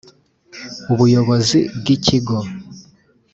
Ubuyobozi bw ikigo.